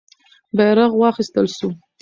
بیرغ واخیستل سو.